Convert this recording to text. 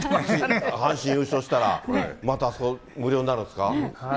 阪神優勝したら、また無料になるんですか？